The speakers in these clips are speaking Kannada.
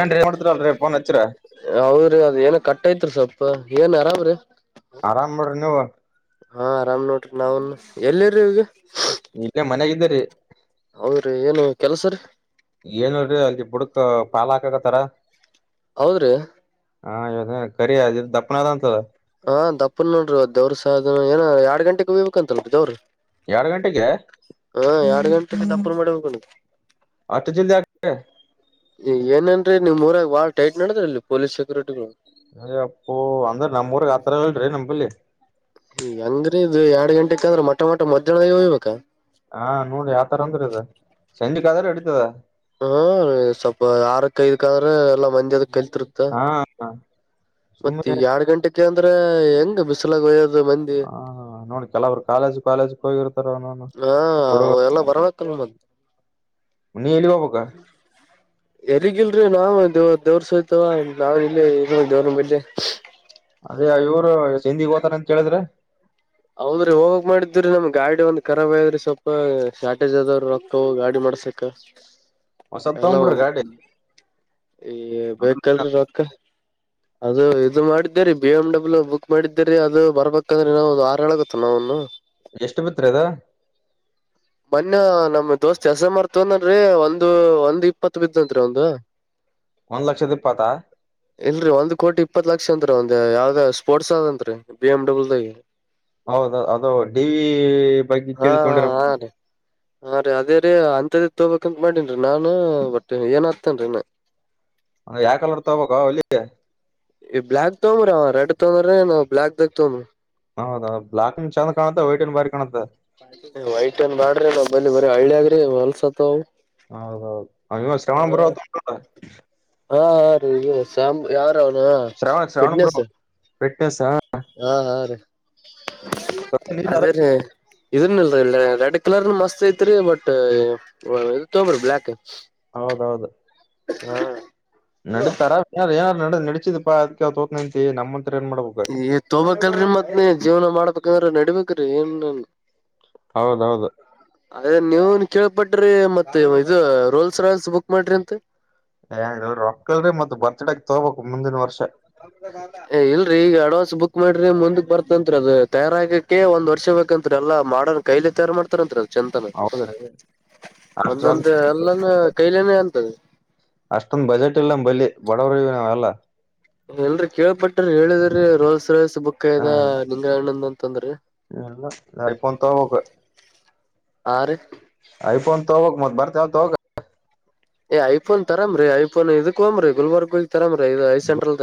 ಏನ್ರೀ ಮಾಡ್ತಿರಲ್ರಿ ಫೋನ್ ಹಚ್ಚಿರ ಹೌದ್ರಿ ಅದ್ ಏನ ಕಟ್ ಅಯ್ತ್ರಿ ಸ್ವಪ ಏನ್ ಆರಾಮ್ರಿ ಆರಾಮ್ ಮಾಡ್ರಿ ನೀವು ಹಾ ಆರಾಮ್ ನೋಡ್ರಿ ನಾವನ್ ಎಲ್ಲಿರಿ ಇಗ ಇಲ್ಲೇ ಮನಾಗಿದ್ದರಿ ಹೌದ್ರಿ ಏನು ಕೆಲ್ಸ ರೀ ಏನ್ ನೋಡ್ರಿ ಅಲ್ಲಿ ಬುಡ್ಕ್ ಪಾಲ ಹಾಕಕತ್ತಾರ ಹೌದ್ರೀ ಹಾ ಇವ ಕರಿ ಅ ದಪ್ಪಣ ಅದಂತಲ್ಲ ಹಾ ದಪ್ಪನ್ ನೋಡ್ರಿದ ದೇವ್ರ ಸಾ ಏನ ಎರಡ್ ಗಂಟೆಗೆ ಹೋಗ್ಬೇಕ ಅಂತನ್ೀ ದವ್ರರು ಯಾರ್ ಗಂಟೆಗೆ ದಪು ಮಾಡ ಅತ ಜಲ್ದಿ ಆ ಏನೇನ್ರೀ ನಿಮ್ ಮೂರಾಗ ಬಾಳ್ ಟೈಟ್ ನೋಡ್ರ ಇಲ್ಲಿ ಪೊಲೀಸ್ ಸೆಕ್ಯೂರಿಟಿಗಳು ಅೇ ಅಪ್ಪ ಅಂದ್ರೆ ನಮ್ಮೂಊರ್ ಆಥರ ಹೇಳ್ರಿ ನಮಂಬಲ್ಲಿಿ ಅಂಗ್ರೀ ಇದು ಎರಡ್ ಗಂಟೆಕಂದ್ರೆ ಮೊ ಮೊಟ ಮಧ್ಯಾಹ್ನಾಗ ಹೋಗ್ಬೇಕಾ ಹಾ ನೋಡಿ ಯಾವತರ ಅಂದ್ರರು ಇದ ಸಂಜೆಕ್ ಆದ್ರೆ ಹಡಿತದ ಹ್ಮ ಸ್ವಲ್ಪ ಯರಕ್ಕೈದಕ ಅಂದ್ರೆ ಎಲ್ಲಾ ಮಂದಜದ ಕೆಲ್ತಿರ್ತ್ತ ಹಾ ಮತ್ತ ಸುಮ್ಮ್ನೆ ಈಗ ಎರಡ್ ಗಂಟೆಕ ಅಂದ್ರೆ ಹೆಂಗ ಬಿಸಲ ಹಯ್ಯದು ಹ ನೋಡ್ ಕೆಲವರು ಕಾಲೇಜ್ ಕಾಲೇಜಕ್ ಹೋಗಿರ್ತಾರ ಅವೋನು ಹಾ ಹುಡುಗ ಎಲ್ಲಾ ಬರ್ಬೇಕಲ್ ಮತ್ ಹ ನೀ ಎಲ್ಲಿ ಬ ಪಕ ಎರಿಗಿಲ್ರಿ ನಾವ್ ದೇವ ದೇವ್ರ ಸೋತವ ನಾವ ಇಲ್ಲಿ ಇ ದೇವ್ರನ ಮೆ ಾರ ಅಂತ ಹೇಳೇಳಿದ್ರೆ ಹೌದ್ರಿ ಹೋಗಕ್ ಮಾಡಿದ್್ರರಿ ನಮ್ ಗಾಡಿ ಒಂದ್ಖರಾಬ ಆಐದ್ರಿ ಸ್ವಲ್ಪ ಶಾರ್ಟೇಜ್ ಅದ ರೊಕ್ಕ ಗಾಡಿ ಮಾಡ ಹಸಕ್ಕ ಹೊಸದ್ ಎಲ್ಲ ತಗೊಂಡ್ಬಿಡ್ರಿ ಗಾಡಿ ಈ ಬೇಕಲ್ರರಿ ರಕ್ಕ ಅದು ಇದು ಮಾಡಿದ್ದೀರಿ ಬಿ ಎಮ್ ಡಬ್ಲ್ಯೂ ಬುಕ್ ಮಾಡಿದ್ದೀರಿ ಅದು ಬರ್ಬೇಕಂದ್ರೆ ನ ಒಂದು ಆರು ಎಳಗೊತ್ತ ನಾವನು ಎಷ್ಟು ಬಿತ್ ಅದ ಮೊನ್ಯ ನಮ್ ದೋಸ್ತ್ ಎಸ ಮಾರ್ತವನನ್ರಿ ಒಂದು ಒಂದ್ ಇಪ್ಪತ್ ಬಿದಂರಿ ಒಂದು ಒಂದ್ ಲಕ್ಷದ ಇಪ್ಪತಾ ಇಲ್ರರಿ ಒಂದ್ ಕೋಟಿ ಇಪ್ಪತ್ ಲಕ್ಷ ಅಂತ್ರಿೀ ಒಂದ್ ಯಾವ್ದ ಸ್ಪೋರ್ಟ್ಸ್ ಅದತ್ ರರಿ ಬಿ ಎ್ ಡಬ್ಲ್ ಹೌದ ಅದು ಡಿ ವಿ ಬಗ್ಗೆ ಹಾ ಕೇಳಿ ತೊಂಡಿರ ಹಾ ಹಾ ಹಾ ರೀ ಅದೇ ರೀ ಅಂಂತದ ತೋಬೇಕಕ್ಂತ ಮಾಡೇನ್ರಿ ನಾನು ಬಟ್ಟ ಏನ್ ಹತೇನ್ರೀ ಯಾಕಲರ್ ತಬಬೇಕ ಅಲ್ಲಿ ಈ ಬ್ಲಾಕ್ ತಗೋ್ರ ಅವ ರೆಡ್ ತಗಂದ್ರ ನವು ಬ್ಲ್ಲಾಕ್ ದಾಗ ತಗಂದ್ರಿ ಹೌದ ಬ್ಲ್ಯಾಕ್ ಅನ್ ಚಂದ ಕಾಣುತ್ತಾ ವೈಟ್ ಅನ್ ಬಾರಿ ಕಾಣುತ್ತ ವೈಟ್ ಏನ್ ಮಾಡ್ರಿ ಅ ಬ ಬರ ಹಳ್ಳಿಯಗ್ರಿ ಹೊಲ್ಸತವು ಹೌ ಹೌದು ಅ ಶ್ರಾವಣ ಬರತ ಹಾ ಹ ರೀಾಮ ಯಾವಾರ ಅವನ ಫಿಟ್ನೆಸ್ ಬೆೆಟ್ಟಸ ಹಾ ಹಾ ರೀ ಅದೇ ರೀ ಇದ್ರನ್ನಲ್ಡ್ ಕಲರ್ ಮಸ್ತ್ ಐತ್ರಿ ಬಟ್ ಇ ತಗಬ್ರಿ ಬ್ಲಯಾಕ್ ಹೌದೌದು ಹಾ ನಡೀತಾರಾ ಏನ ನಡ ನಡತಿದಿಪ್ಪಾ ಅದಕ ತೋತ ನಿಂತತಿ ನಮ್ಮ ಈ ತೋಬಬೇಕಲ್ರರಿ ಮತ್ ನೀ ಜೀವನ ಮಾಡ್ಬೇಕಂದ್ರ ನಡಬೇಕ್ರಿ ಏನ್ನ್ ಹೌದೌದು ಅದೇ ನೀವುನ್ ಕೇಳ್ಪಟ್ಟ ಮತ್ತೆ ಇದು ರೋಲ್ಸ್ ರಾಲ್ಸ್ ಬುಕ್ ಮಾಡ್ರಿ ಅಂತ ಹಲ್ ರೊಕ್ಕಲ್ರಿ ಮತ್ತತ್ ಬರ್ತ್ಡೇ ತಗೋಬೇಕು ಮುಂದಿನ ವರ್ಷ ಏ ಇಲ್ರೀ ಈಗ ಅಡ್ವಾನ್ಸ್ ಬುಕ್ ಮಾಡ್ರಿ ಮುಂದಕ್ ಬರ್ತತ್ರಿ ಅದು ತಯಾರಕಕ್ಕೆ ಒಂದ್ ವರ್ಷ ಬೇಕಂತ ಎಲ್ಲ ಮಾಡ ಕೈಲಿ ತಯಾರ ಮಾಡ್ತಾರ ಅಂತ ಹೌದ್ರೀ ಒಂದೊಂದು ಅಲ್ಲಂದ ಕೈಲನ ಅಂತದೆ ಅಷ್ಟೊಂದ ಬಜೆಟ್ ಇಲ್ಲ ಬಲಿ ಬಡವ್ರ ನ ಅಲ್ಲ ಎಲ್ರರಿ ಕೇಳ್ಪಟ್ರ ಹೇಳಿದ್ರಿ ರೋಲ್ಸ್ ರೋಲ್ಸ್ ಬುಕ್ ಇದದ ನಿಂಗ ಹಣ್ಣಂದ ಅಂತಂದ್ರಿ ಲ್ಲ ನಾರಿ ಪೊಂತ ಹೋಕ ಆರು ಐಫೋನ್ ತಗೋಕ್ ಮತ್ ಬರ್ತಾವ ತ ಹೋಗ ಏ ಐಫೋನ್ ತರ್ರೀ ಐಫೋನ್ ಇದಕೋರೀ ಗುಲ್ಬರ್ಗ ಇ ಐ ಸೆಂಟ್ರಲ್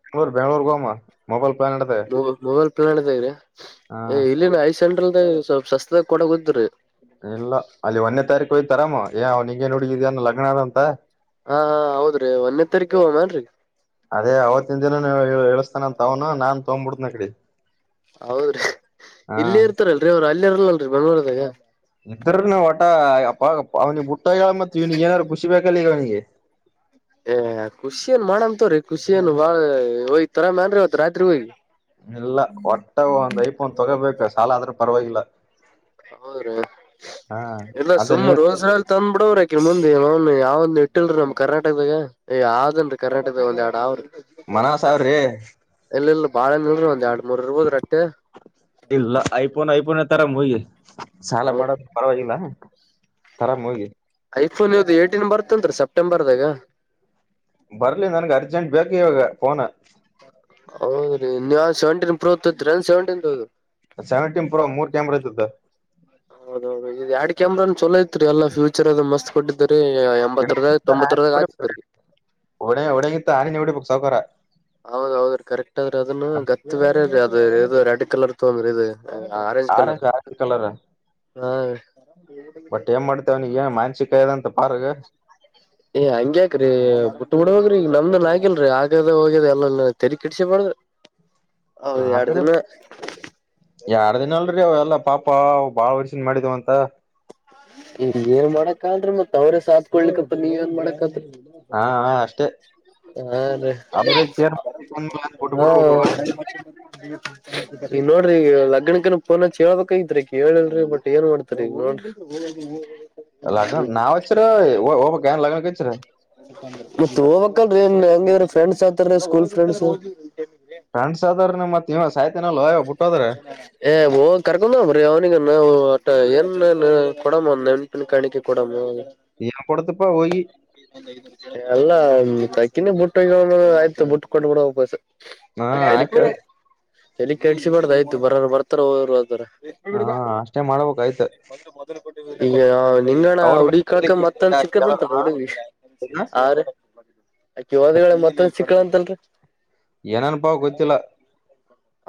ಬೆಂಗಳೂರ್ ಬೆಂಗಳೂರ್ಗೆ ಹೋಗಮ್ಮ ಮೊಬೈಲ್ ಪ್ಲಾನ್ ಹಿಡ್ದೆ ಮೊಬೈಲ್ ಹಾ ಇಲ್ಲಿನ ಐದು ಸೆಟ್ರಲ್ದ ಸ್ವಪ್ ಸಸ್ದಾಗ ಕೊಡದ್ರಿ ಇಲ್ಲ ಅಲ್ಲಿ ಒಂದೇ ತಾರೀಕು ಹೋಗ್ತರಾಮ ಏ ನಿಂಗಗೆ ನೋಡಗ ಇದನ್ ಲಗ್ನ ಅದಂತ ಹಾ ಹಾ ಹೌದ್ರಿ ಒಂದನೇ ತಾರೀಕು ಹೋಗಮನ್ರಿ ಅದೇ ಅವತ್ತಿನ ದಿನ ನೀ ಹೇಳಸ್ತಾನ ಅಂತ ತವನ ನಾನ್ ತಗ್ಬಿಡ್ತನ ಕಡಿ ಹೌದ್ರಿ ಇಲ್ಲೇ ಇರ್ತಾರಲ್ರರಿ ಅವರು ಅಲ್ಲಿ ಇರಲ್ಲಲ್ರರಿ ಬಂಗಳಾರದಾಗ ಇದ್ರನು ಒಟ ಅವ್ನಿಗೆ ಬುಟ್ಟ ಹೇಳ ಮ ಇವನಿಗೆ ಏನಾರು ಖುಷಿಬೇಕ ಗ ನಿಗೆ ಏ ಖುಷಿ ಏನ್ ಮಾಡಮಂತವ್ರರಿ ಖುಷಿ ಏನ್ ಬಾಳ ಒಯ್ತರಾಮ ಅನ್ರಿ ಇವತ್ ರಾತ್ರಿ ಹಯಿ ಇಲ್ಲ ಒಟ್ಟಾಗ ಒಂದ್ ಐಪ್ ಒಂದ ತೊಗೋಬೇಕ ಸಾಲ ಆದ್ರೂ ಪರವಾಗಿಲ್ಲ ಹೌದ್ರೀ ಹಾ ಇಲ್ಲ ಅದ ನೀ ಸುಮ್ಮ ರೋಜಲ್ ತಂದ್ ಬಿಡವ್ರಾಕ ಮುಂದ ಲೋನ್ ಯಾವ ಒಂದ್ ಇಟ್ಟಿಲ್ರಿ ನಮ್ ಕರ್ನಾಟಕದಾಗ ಯಾವದನ್ರರಿ ಕರ್ನಾಟಕದಾಗ ಒಂದ ಎರಡ್ಡ್ರಿ ಮನ ಸಾವ ರೇ ಬಾಳ ಒಂದ ಎರ ಮೂರುೂ ರ ಇಲ್ಲ ಐಫೋನ್ ಐಫೋನ್ ತರ ಮುಗಿ ಸಾಲ ಮಾಡೋದ ಪರವಾಗಿಲ್ಲ ರಾಾಮ ಹೋಗಿ ಐಫೋನ್ ಇದು ಏಟಿನ್ ಬರ್ತತ್ರಿ ಸೆಪ್ಟೆಂಬರ್ದಾಗ ಬರ್ಲಿ ನನ್ಗೆ ಅರ್ಜೆಂಟ್ ಬೇಕು ಇವಾಗ ಫೋನ ಹೌದ ರೀ ನೀ ಸೆವೆಂಟೀನ್ ಪ್ರೂ ಸೆವೆಂಟೀನ್ದು ಸೆವೆಂಟೀನ್ ಪ್ರೋ ಮೂರ್ ಕ್ಯಾಮರಾ ಇಐತದ ಹೌದೌದು ಇದು ಎರಡ್ ಕ್ಯಾಮ್ರಾ ಚಲೋ ಇಐತ್ರಿ ಎಲ್ಲ ಫ್ಯೂಚರ್ ಅದ ಮಸ್ತ್ ಕೊಟ್ಟಿದ್ದ ಎಂಬತ್ತ ರದ ತೊಂಬತ್ತ ರದಾಯತತ ಹೊಸಕರ ಹೌದದ್ರೀ ಕರೆಕ್ಟ್ ಅ ಆದ್ರೆ ಅದನ್ನ ಗತ್ ಬೇರೆ ರೀ ಅದ ಇ ರೆಡ್ ಕಲರ್ ತೊಗಂಬ್ರಿ ಇದು ಆರೆಂಜ್ ಆರೆಂಜ್ ಕಲರ್ ಹಾ ಬಟ್ ಏನ್ ಮಾಡ್ತೇವೆಗಏ ಮಾನ್ಸಿಕ ದಂತ ಪಾರಗ ಏ ಹಂಗ್ಯಾಕ್ರಿ ಬಿುಟ್ಟ ಬಿುಡ ಹೋಗ್ರಿ ಈಗ ನಮ್ದನ್ ಆಗಿಲ್ರರಿ ಆಗದ ಹೋಗ್ಯದ ಎಲ್ಲ ತೆರಿ ಕಿಡ್ಸಿಬಾರಡ್ದ [unintelligible] [inaudible] ಆತ್ರಿ ಎಾರ್ ದಿನ ಅಲ್ರಿ ಅವ ಎಲ್ಲ ಪಾಪ ಬಾಳರ್ಷ ನ್ ಮಾಡಿದವ ಅಂತ ಈ ಏನ್ ಮಾಡಕ ಅಂದ್ರ ಮತ್ ಅವ್ರೇ ಸಾತ್ಕಡ್ಲಿಕ್ಕಪ್ಪ ನೀವ ಏನ್ ಮಾಡಕಂದ್ರ ಹಾ ಹ ಅಷ್ಟೇ ಹಾ ರ ಅವ್ರೇ ಕೇರ್ ಹಾ ಬಿಟ್ಬಿಡ್ಬೇಕು ಬ ಈಗ ನೋಡ್ರಿ ಈ ಲಗ್ನಕ್ಕನ್ ಪೋನ ಕೇಳಳ್ಬೇಕ ಇದತ್ ಮಈಗ ಕೇಳಿಲ್ರಿ ಬಟ್ ಏನ್ ಮಾಡ್ತರಿ ಈಗ ನೋಡ್ರಿ ಲಣ ನಾವು ಹಚ್ಚರ ಒಬ್ಬ ಗಾನ ಲಗಣಕ್ಕೆಚ್ಚರ ಮತ್ತೆ ಹೋಗಬೇಕುನು, ರೀ! ಎಲ್ಲಾ ನಿಯರ್ ಫ್ರೆಂಡ್ಸ್, ಆಗುತ್ತಾರೆರಿ, ಸ್ಕೂಲ್ ಫ್ರೆಂಡ್ಸ್? [unintelligible] ಫ್ರೆಂಡ್ಸ್ ಅದಾರ ಮತ್ ನೀವ ಸಾಯ್ತೇನಲ್ವ ಬಿಟ್ಟೋದ್ರ ಹೇ, ಹೋಗು, ಕರ್ಕೊಂಡು ಹೋಗು. [unintelligible] ರೀ, ಅವನಿಗೆ ನಾವು, ಹೋಟ, ಅ ಏನ್ ಕೊಡಮ್ಮ ನೆಣಪಿನ, ಕಾಣಿಕೆ ಕೊಡಮ್ಮ. ಏನ್ ಕೊಡ್ತಪಾ ಹೋಗಿ [unintelligible] ಅಲ್ಲ ತಿನ್ನ ಬುಟ್ಟು ಈಗನು ಆಯ್ತು ಬಟ್ಟ ಕೊಟ್ಟಬ ಬಿಡ ವಾಪಸ್ ಹಾ ಆಯತ ಚಳ ಕೆಡ್ಸಸಬಾರ್ದ ಆ್ತ ಬರೋ ಬರ್ತಾರ ಅವರು ಅದರ ಹಾ ಅಷ್ಟೇ ಮಾಡ್ಬೇಕಕ್ ಆಯ್ತು ಈ ನಿಂಗಣ್ಣ ಹುಡಿ ಕಳಕ ಮತ್ತಂದ ಸಿಕ್ಕದಂತದ ಹುಡಿ ಆ ಅಕೆ ಹದ ಮತ್ತೊಂದ ಸಿಕ್ಕಳ ಅಂತಲ್ರಿ ಏನಾನಪಾ ಕೊಚ್ಚಲ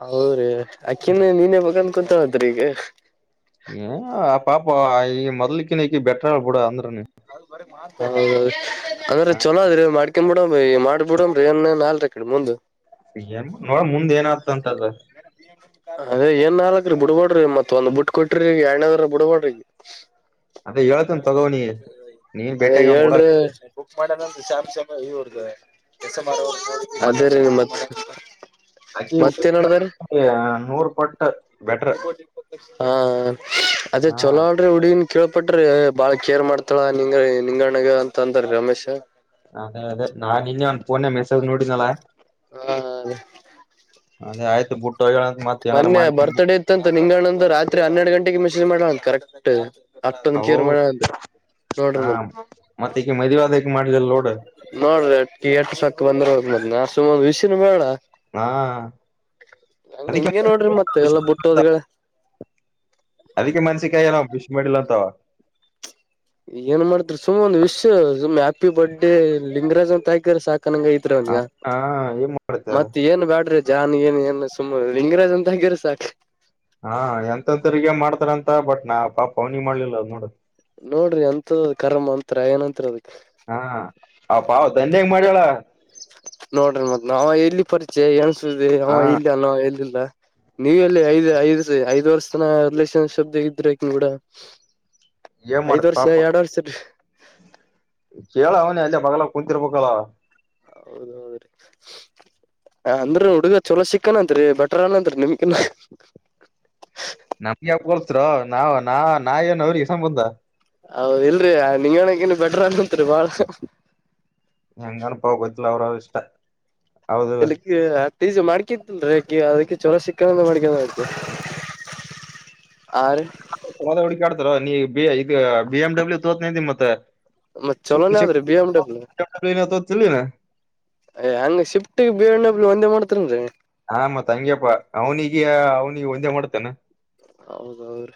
ಹೌದ್ರೀ, ಆಕ್ಟುಯಲ್ಲಿ, ನೆನ್ನೆ ಮದುವೆ, ಕಟುವಾನುತ್ಹವಾರಿ. [unintelligible] ಏ, ಪಾಪ! ಈ ಮೊದ್ಲಿಕ್ಕೆ. [unintelligible] ಬೆಟರ್, ಬಿಡು, ಅಂದ್ರೆ ನೀನು. [inaudible] ಅಂದ್ರೆ, ಚಲೋ ಅದ್ರೀ ಮಾಡ್ಕೊಂಡ್ಬಿಡೋದು ಮಾಡ್ಬಿಡಮ್ಮರಿಏನು, ನಾಲೂರಿ. [inaudible] ಕಿರು ಬಂದು. [inaudible] ಹೆಂಗ್, ನೋಡ್, ಮುಂದೆ, ಏನಾಯ್ತದೆ ಅದು? [inaudible] ಅದೇ ಏನ್ ನಾಲ್ಕ್ರೀ ಬಿಡ್ಬಡ್ರಿ ಮತ್ ಒಂದ್ ಬಿಟ್ಟ ಕೊಟ್ರಿ ಎರನೇದ್ರ ಬಿಡಬಡ್ರಿಗ. [unintelligible] ಅದೇ ಹೇಳ್ತನ್ ತಗೋನಿ ನೀನ್ ಹಾ, ಭೇಟಿಯಾಗಿ ಅವ್ನ್ ಕೂಡ ಹೇಳ್ರಿ. [unintelligible] ಬುಕ್, ಮಾಡದಂತ, ಸ್ಯಾಮ್ಸಂಗ್, ಇವರುದು, ಎಸ್, ಎಂ, ಆರು, ಅದು ಬೇರೆ ಮತ್ತೆ. [unintelligible] ಅಕೀ, ನೂರು ಪಟ್ಟು. [unintelligible] ಹಾ, ಹಾ, ಅದೇ ಹಾ ಚಲೋವಾಳ್ರೆ! ಉಡಿನ್. [unintelligible] ಕೇಳ್ಪಟ್ರಿ, ಬಾಳ ಕೇರ್ ಮಾಡ್ತಾಳ ನಿಂಗ ನಿಂಗಣ್ಣಗ, ಅಂತ ಅಂದ್ರ ರಮೇಶ. [unintelligible] ಅದೇ ಅದೇ ನಾ ನಿನ್ನೆ ಒಂದ್ ಫೋನ್ ಮೆಸೇಜ್ ನೋಡಿನಲ್ಲ ಹಾ, ಹಾ! [unintelligible] ಅದೇ, ಆಯ್ತು, ಬುಟ್ಟು. [unintelligible] ಮೊನ್ನೆ, ಬರ್ತ್ಡೇ, ಇತ್ಯಂತೇ! ನಿಂಗಣಂದು ರಾತ್ರಿ ಹನ್ನೆರಡು ಗಂಟೆಗೆ ಮೆಸೇಜ್ ಮಾಡೋಳಂತೆ, ಕರೆಕ್ಟ್. [unintelligible] ಆಕ್ಟ್ ಟು ಅವು ಕೇರ್, ಮಾಡಲಾಂತೆ. [unintelligible] ಹಾ, ಮತ್ತ ಈಗ ಮದುವೆಯಾದಕ್ ಮಾಡಿಲ್ಲ ನೋಡು. [unintelligible] ಟೀ, ಆಫೀಸ್ ಗೆ ಬಂದಿರೋದು, ನನ್ನ, ಹಾಸು, ವಿಷಯ ನೋಡನ್ನ. [unintelligible] ಹಾ. [inaudible] ಹಂಗ ಅದಕ್ಕೆ, ಹಿಂಗೆ ನೋಡ್ರಿ ಮತ್ ಎಲ್ಲಾ ಮ, ಬುಟ್ಟೋದ್ಗಳ ಅದಿಕ್ಕೆ, ಮೆಣಸಿನಕಾಯಿ, ಎನ್ನೋ? [unintelligible] ವಿಶ್ ಮಾಡಿಲ್ಲ ಅಂತ. [inaudible] ಏನ್ ಮಾಡತರು ಸುಮ್! ಒಂದ್, ವಿಷ್ ಸುಮ್ ಹ್ಯಾಪಿ, ಬರ್ಡೇ! ಲಿಂಗರಾಜ್ ಅಂತ ಹಾಕ್ರ ಸಾಕು. [unintelligible] ಕಣ್ಣಿಗೆ ಹೋಗ್ತೀರಾ ಅಲ್ವಾ! ಹಾ ಏನ್ ಮಾಡುತ್ತೆ ಅದು ಮತ್ ಏನ್ ಬ್ಯಾಡ್ರಿ? [unintelligible] ಜನ್ ಏನ್ ಏನು ಸುಮ್ಮ ಲಿಂಗರಾಜ್ ಅಂತ ಹಾಕಿದ್ರೆ ಸಾಕು. [unintelligible] ಹಾ, ಎಂತ ಎಂಥವರಿಗೆ, ಮಾಡ್ತಾರಂತೆ! ಬಟ್ ನಾ? ಪಾಪ, ಅವನಿ ಮಾಡ್ಲಿಲ್ಲ ಅ ನೋಡು. [unintelligible] ಹಾ, ನೋಡ್ರಿ ಅಂತವು! ಕರಾಮು, ಅನುತ್ತೀರ, ಏನಂತರೆ, ಅದಕ್. [inaudible] ಮಾಡ್ಲಿಲ್ಲ. [unintelligible] ನೋಡ್ರಿ ನಾವೆಲ್ಲಿ ಪರಿಚಯ, ಏನ್ ಸುದ್ದಿ ಹಾ ಅವಹೇಳಿ, ಹೇಳಲಿಲ್ಲ. [unintelligible] ನೀವ್, ಎಲ್ಲಿ ಐದ್, ಐದ್, ಐದ್, ವರ್ಷ, ತನ ರಿಲೇಷನ್ಶಿಪ್, ಇಂದರ್ಬೇಕು ನೋಡ. [unintelligible] ಏನ್ ಐದ್, ಮಾಡುತ್ತ ವರ್ಷ ಎರಡ್ ವರ್ಷ. ಬೇ.. [unintelligible] ಕೇಳು, ಅವನೇ, ಹೆಲೋ, ಬಂಗಾಳ, ಕುಂತಿರಬೇಕಲ್ಲ? [unintelligible] ಹೌದೌದ್ರೀ? [unintelligible] ಅಂದ್ರ, ಹುಡುಗ ಚಲೋ ಸಿಕ್ಕನತ್ರಿ ಭಟ್ರು, ಏನುಯಂತೇರಿ ನಿಮಗಿನಾ? [unintelligible] ನಮ್ಗೆ, ಯಾಕು, ಹೋಲಿಸಿದ್ದರು, ನಾವ್, ನಾ ನಾ! ಏನ್ ಸಂಬಂಧ? [unintelligible] ಹ ಇಲ್ರಿ ನಿಂಗಣಕನ್ ಬೆಟರ್, ಅಧ್ಯಾನುತಿರಿ, ಬಾಳ! [inaudible] ಹೆಂಗಾನು, ಪೋ, ಗೊತ್ತಿಲ್ಲ, ಅವರುವರೂ, ಇಷ್ಟ! [inaudible] ಎಲ್ಕ್ಕ ಹತ್ತೀಜ ಮಾಡ್ಕತ್ಲ್ರೀಕಿ ಅದಕ್ಕೆ ಚೊಲರ ಸಿಕ್ಕ ಮಾಡ್ಕ ಆಯು ಆ ಹದ ಹುಡುಕಿಾಡ್ತಾರ ನೀ ಬಿ ಈಗ ಬಿ ಎಮ್ಡಬ್ಲ್ಯೂ ತೋತ್ನ ನಿ ಮತ್ತೆ ಮತ್ ಚಲೋನೇ ಚ ಆದ್ರಿ ಬಿ ಎಮ್ ಯ್ ಹಂಗ ಶಿಫ್ಟಿಗೆ ಬೇವಣ್ಣಬ್ಲಿ ಒಂದೇ ಮಾಡ್ತರಿನ್ರಿ ಹ, ಮತ್ ಹಂಗ್ಯಪ್ಪ ಅವ್ನಿಗೆ, ಅವ್ನಿಗೆ! ಒಂದೇ ಮಾಡ್ತನ. [inaudible] ಹೌದೌರೀ,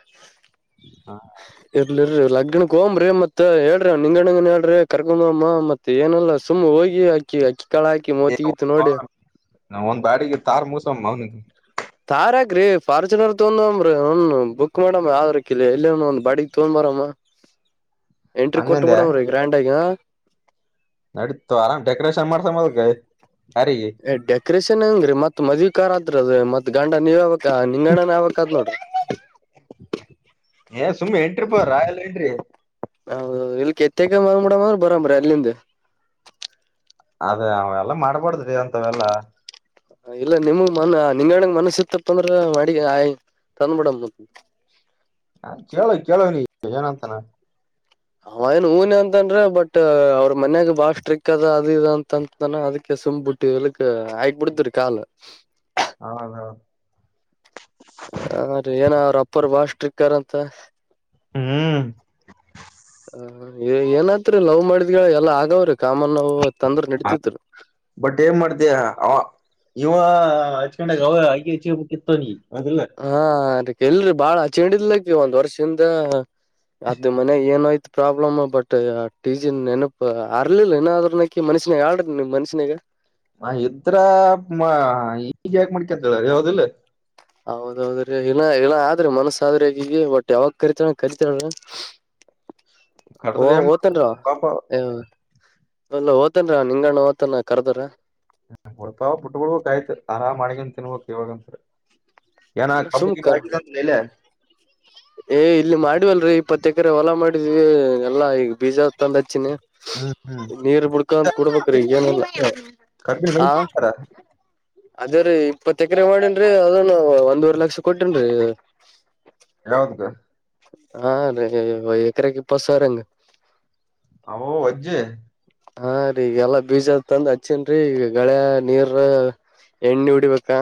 ಇರ್ಲಿ, ಇರಿ, ಲಗ್. [unintelligible] ದಿನಕ್ಕೆ ಹೋಗ್ಮ್ರಿ, ಮತ್ತೆ ಹೇಳ್ರಿ ಲಿಂಗಯ್ಯನಿಗೆ, ಏನ್ರಿ, ಕರ್ಕೊಂಡು ಹೋಗುಮ, ಮತ್ತೆ ಏನಿಲ್ಲ ಸುಮ್ನೆ, ಹೋಗಿ, ಅಕ್ಕಿಕ್ಕಿ. [unintelligible] ಏ, ನಾವು ಒಂದು ದಾರಿಗೆ ತರು ಮುಷಮ್ಮ. [unintelligible] ತಾರಾಕ್ರಿ, ಫಾರ್ಚುನರ್ ತಕೊಂಡ್ ಹೋಗಮಾರಿ, ಹ್ಮ್ಮ್, ಬುಕ್ ಮಾಡಮ್ಮ ಯಾವ್ದ್ರ ಕ ಎಲ್ಲಿ ಒಂದು ಬಾಡಿಗೆ ತಕೊಂಡು. [unintelligible] ಆರಾಮ? [inaudible] [unintelligible] [inaudible] ಎಂಟ್ರಿ ಹಂಗಂದೆ ಕೊಟ್ಟುಬಿಡೋದ್ರಿ, ಗ್ರಾಂಡ್ ಆಗಿ? [inaudible] ನಡೀತ, ಆರಾಮ್ ಡೆಕೋರೇಷನ್ ಮಾಡ್ಸ ಅಧೂಕ. [inaudible] ಏ, ಡೆಕೋರೇಷನ್ ಅಂಗ್ರೀ! ಮತ್ ಮದುವೆ ಕಾರ್, ಆಯ್ತು ರೀ, ಗಂಡ ನಿವಾಯಕ, ನಿಂಗಣನ ಆಬೇಕು. [unintelligible] ಏ, ಸುಮ್ಮಿ, ಎಂಟ್ರಿ ಪ, ರಾಯಲ್, ಎಂಟ್ರಿ. [unintelligible] ಹೌೌದು ಇಲ್ಲಿ ಕೆತ್ತಕ ಮಡ ಮ ಬರಂಬರ ಅಲ್ಲಿಂದ ಅದೇ ಅವ ಎಲ್ಲ ಮಾಡ್ಬಾರಡ್ದ್ರಿ ಅಂತವೆಲ್ಲಾ ಇಲ್ಲ ನಿಮಗ್ ಮನ್ ನಿಂಗಡ ಮನಸ ಇತ್ತಪ್ಪ ಅಂದ್ರ ಮಡಿಗೆ ಆಯ ತಂದುಬಡ ಹಾ ಕೇಳೋ ಕೇಳುವಿನಿ ಏನಂತಾನ ಅವ ಏನ್ ಊನ ಅಂತನ್್ರ ಬಟ್ ಅವ್ರ ಮನ್ಯಾಗ ಬಾಳ ಸ್ಟ್ರಿಕ್ ಅದ ಅದ ಅಂತಂತಾನ ಅದಕ್ಕೆ ಸೊಂಂಬುಟ್ಟ ಇದಳಕ್ಕೆ ಆಗಕ ಬಿಡತರು ಕಾಲ ಹೌದೌದು ಟ್ರಕ್ಕರ್ ಅಂತ ಹ್ಮ್ ಏನತ್ರಿ ಲವ್ ಮಾಡಿದ್ ಎಲ್ಲಾ ಆಗವ್ರ ಬಟ್ ಏನ್ ಮಾಡ್ತಯ ಅವ ಇವ ಹಚ್ಕೊಂಡಾಗ ಅವ ಹಕಿ ಹಚ್ಚಿಬೇಕಕ್ಿತ್ತು ನೀ ಹೌದಿಲ್ಲ ಹಾ ಅದಕ್ಕೆ ಎಲ್ರಿ ಬಾಳ ಹ ಚೆಂಡಿದ್ಲಕ್ಕ ಒಂದ್ ವರ್ಷಿಂದ ಅದ್ ಮನ ಏನಯ್ತು ಪ್ರಾಬ್ಲಮ್ ಬಟ್ ಟಿ ಜಿ ನೆನಪ ಅರ್ಲಿಲ್ಲ ನಾದ್ರನಕ ಮನ ಮನ್ಷನಾಗ ಹಾಡ್ರಿ ನೀಮ ಮನ್ಷ್ಯಾಗ ಇದ್ರ ಈಗ ಯಾಕ ಮಾಡಡ್ಕಂತಳ ಯಾವ್ದಿಲ್ಲ ಹೌದೌದ್ರೀ ಇಿನ ಇನ ಆದ್ರಿ ಮನಸ್ಸ ಆದ್ರೆ ಬಟ್ ಯಾವಾಗ ಕರಿತಳ ಕರಿತಳ ಓ ಕಡದ್ರ ಏನ್ ಮಾಡ ಓತನ್ರ ಪಾಪ ಅಲ್ಲ ಓ್ತನ್ರ ನಿಂಗಣ್ಣ ಓತಾನ ಕರ್ದಾರ ಹೊಡ್ತಾವ ಪುಟ್ಬೊಕ್ ಆಯ್ತ್ು ಆರಾಮ್ ಮಾಡಗನ್ ತಿನ್ಬೇಕಕ್ ಇವಾಗಂತ್ರ ಏನ ಎಲ್ಲ ಕಬ್ಬು ಗಿಬ್ಬು ಸುಮಕರ್ ಹಾಕಿದ ಇಲ್ಲ ಏ ಇಲ್ಲಿ ಮಾಡಿವಲ್ರಿ ಇಪ್ಪತ್ತು ಎಕರೆ ಹೊಲ ಮಾಡಿದ್ವಿ ಎಲ್ಲಾ ಈಗ ಬೀಜ ತಂದು್ ಹಚ್ಚಿನಿ ಹ್ಮ್ ಹ್ಮ್ ನೀರ್ ಬಿುಡ್ಕೊಂತ ಕುೂಡ್ಬೇಕ್ರೀಗಏನಿಲ್ಲ ಕಬ ಅದೇ್ರೀ ಇಪ್ಪತ್ ಎಕರೆ ಮಾಡೇನ್ರಿ ಅದನು ಒಂದೂವರೆ ಲಕ್ಷ ಕೊಟೇನ್ರರಿ ಯಲ್ಲಾವದಕ್ಕ ಹಾ ರ ಎಕರೆಕ್ಕೆಪ್ಪಸಾರಂಗ ಹ ಅ್ಜೆ ಹಾ ರರಿೀ ಈಗಲ್ಲಾ ಬೀಜದ ತಂದ್ ಹಚ್ಚೇನ್ೀ ಈಗ ಗಳೆ ನೀರ್ ಎಣ್ಣೆ ಉಡಿಬೇಕಾ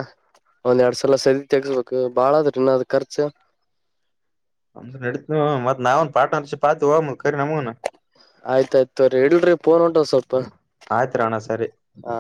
ಒಂದ್ ಎರಡ್ ಸಲ ಸರಿ ತೆಗಸ್ಬೇಕು ಬಾಳಾದ್ರ ಇನ್ನ ಅದ ಖರ್ಚ ಪಾರ್ಟನರ್ ಶಿಪ್ ಆತು ಆ ಕರಿ ನಮ್ ಆಯ್ತಾಯ್ತ ತ್ರರಿ ಇಲ್ರಿಫೋನ್ ಉಂಟ್ ಸ್ವಲ್ಪ ಆಯ್ತ್ರಣ ಸರಿ ಹಾ